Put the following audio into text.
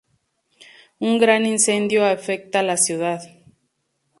Un gran incendio afecta la ciudad.